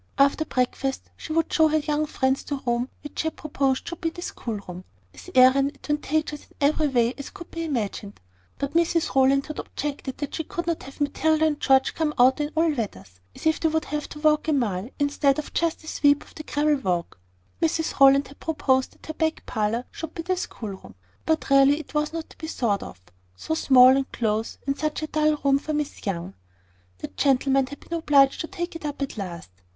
After breakfast, she would show her young friends the room which she had proposed should be the schoolroom, as airy and advantageous in every way as could be imagined: but Mrs Rowland had objected that she could not have Matilda and George come out in all weathers, as if they would have had to walk a mile, instead of just the sweep of the gravel walk! Mrs Rowland had proposed that her back parlour should be the schoolroom: but really it was not to be thought of so small and close, and such a dull room for Miss Young! The gentlemen had been obliged to take it up at last.